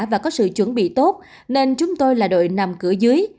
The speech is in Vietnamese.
và có sự chuẩn bị tốt nên chúng tôi là đội nằm cửa dưới